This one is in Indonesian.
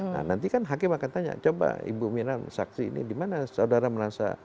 nah nanti kan hakim akan tanya coba ibu mirna saksi ini dimana saudara merasa